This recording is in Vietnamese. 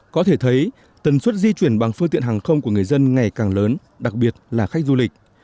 có thể thấy tần suất di chuyển bằng phương tiện hàng không của người dân ngày càng lớn đặc biệt là khách du lịch